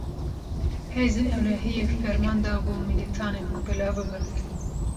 Hêzên ewlehiyê, ferman dabû milîtanan ku belav bibin